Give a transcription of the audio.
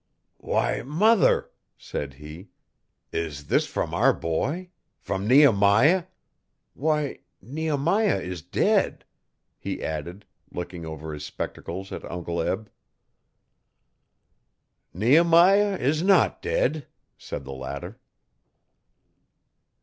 'Why, mother!' said he. 'Is this from our boy? From Nehemiah? Why, Nehemiah is dead!' he added, looking over his spectacles at Uncle Eb. 'Nehemiah is not dead,' said the latter.